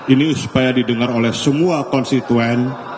ini supaya didengar oleh semua konstituen